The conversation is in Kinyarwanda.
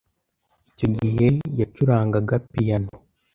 Icyo gihe yacurangaga piyano.